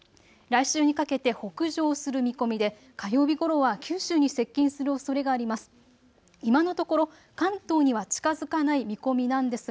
来週にかけて北上する見込みで火曜日ごろは九州に接近するおそれがあります。